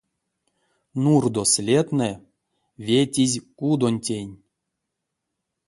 Нурдо следтнэ ветизь кудонтень.